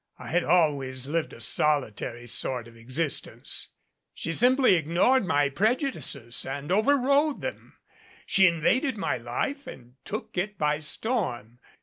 I had always lived a solitary sort of existence. She simply ignored my prejudices and over rode them. She invaded my life and took it by storm.